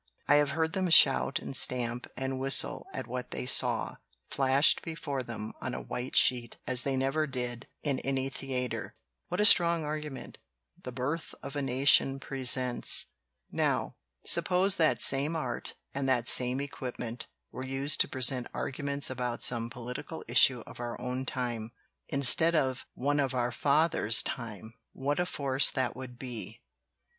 I have heard them shout and stamp and whistle at what they saw flashed before them on a white sheet as they never did in any theater. "What a strong argument 'The Birth of a Nation' presents! Now, suppose that same art and that same equipment were used to present arguments about some political issue of our own time, instead of one of our fathers' time. What a force that would be!"